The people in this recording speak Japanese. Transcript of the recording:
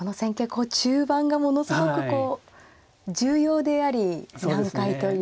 こう中盤がものすごくこう重要であり難解という。